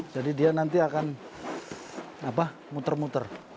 jadi dia nanti akan apa muter muter